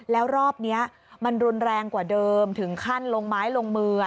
แล้วรอบนี้มันรุนแรงกว่าเดิมถึงขั้นลงไม้ลงมือ